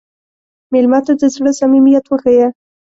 مېلمه ته د زړه صمیمیت وښیه.